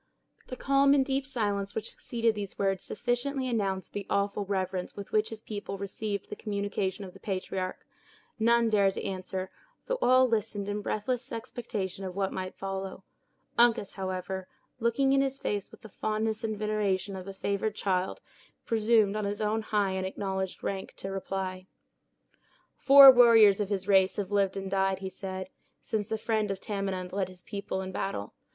The calm and deep silence which succeeded these words sufficiently announced the awful reverence with which his people received the communication of the patriarch. None dared to answer, though all listened in breathless expectation of what might follow. Uncas, however, looking in his face with the fondness and veneration of a favored child, presumed on his own high and acknowledged rank, to reply. "Four warriors of his race have lived and died," he said, "since the friend of Tamenund led his people in battle.